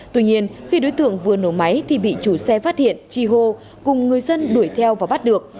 tuy nhiên khi đối tượng vừa nổ máy thì bị chủ xe phát hiện chi hô cùng người dân đuổi theo và bắt được